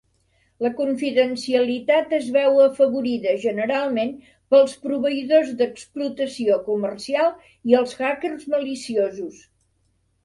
La confidencialitat es veu afavorida generalment pels proveïdors d'explotació comercial i els hackers maliciosos.